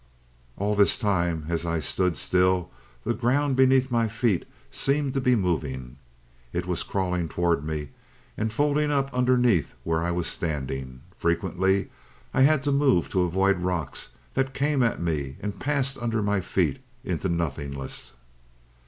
"All this time, as I stood still, the ground beneath my feet seemed to be moving. It was crawling towards me, and folding up underneath where I was standing. Frequently I had to move to avoid rocks that came at me and passed under my feet into nothingness.